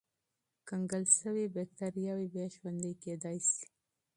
کنګل شوې بکتریاوې بیا ژوندی کېدای شي.